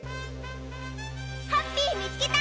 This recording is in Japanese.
ハッピーみつけた！